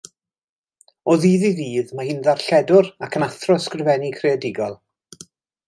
O ddydd i ddydd mae hi'n ddarlledwr ac yn athro ysgrifennu creadigol.